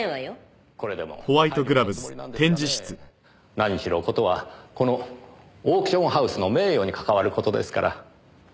何しろ事はこのオークションハウスの名誉に関わる事ですから。